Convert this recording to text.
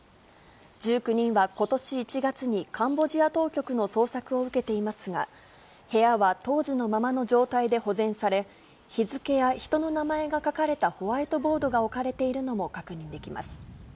１９人はことし１月に、カンボジア当局の捜索を受けていますが、部屋は当時のままの状態で保全され、日付や人の名前が書かれたホワイトボードが置かれているのも確認できます。